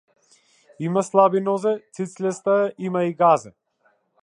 Има слаби нозе, цицлеста е, има и газе.